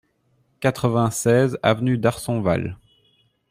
quatre-vingt-seize avenue d'Arsonval